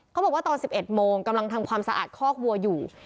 เขาบอกว่าตอน๑๑โมงกำลังทำความสะอาดคอกวัวอยู่